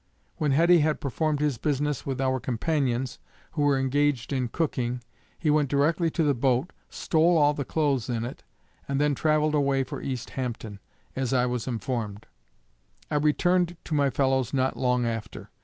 When Heddy had performed his business with our companions, who were engaged in cooking, he went directly to the boat, stole all the clothes in it, and then travelled away for East Hampton, as I was informed. I returned to my fellows not long after.